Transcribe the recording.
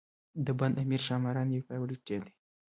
د بند امیر ښاماران یو پیاوړی ټیم دی.